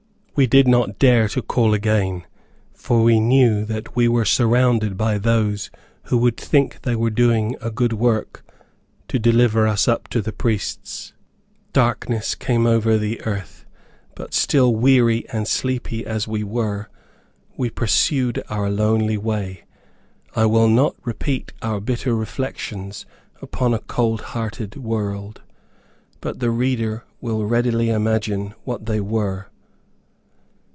We did not dare to call again, for we knew that we were surrounded by those who would think they were doing a good work to deliver us up to the priests. Darkness came over the earth, but still weary and sleepy as we were, we pursued our lonely way. I will not repeat our bitter reflections upon a cold hearted world, but the reader will readily imagine what they were.